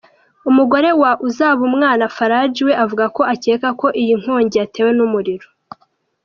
Umugore wa Uzabumwana Faradji we avuga ko acyeka ko iyi nkongi yatewe n’umuriro.